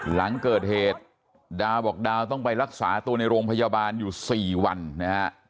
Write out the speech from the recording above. หลังเกิดเหตุดาวบอกดาวต้องไปรักษาตัวในโรงพยาบาลอยู่๔วันนะฮะ